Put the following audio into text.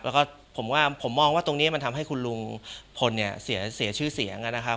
แล้วก็ผมว่าผมมองว่าตรงนี้มันทำให้คุณลุงพลเนี่ยเสียชื่อเสียงนะครับ